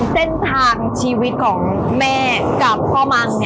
เส้นทางชีวิตของแม่กับพ่อมัก